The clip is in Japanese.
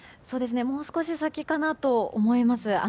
もう少し先かなと思います。